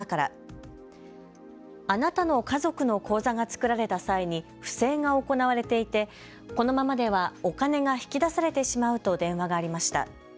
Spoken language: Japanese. ８０代の女性の自宅に警察官を名乗る女からあなたの家族の口座が作られた際に不正が行われていてこのままではお金が引き出されてしまうと電話がありました。